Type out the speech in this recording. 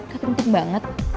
kak rintik banget